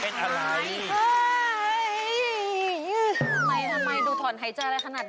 ทำไมดูถอนหายเจ้าอะไรขนาดนั้น